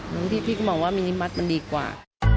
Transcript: เพราะฉะนั้นพี่ก็มองว่ามินิบัสมันดีกว่า